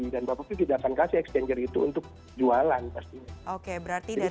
dan bapak p tidak akan kasih exchanger itu untuk jualan pastinya